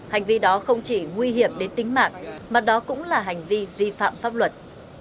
hành vi đó không chỉ nguy hiểm đến tính mạng mà đó cũng là hành vi vi phạm pháp luật